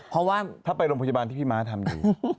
เพราะว่าถ้าไปโรงพยาบาลที่พี่ม้าทำดี